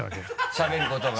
しゃべることが？